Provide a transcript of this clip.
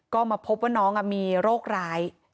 ก็มาพบว่าน้องมีโรคร้าย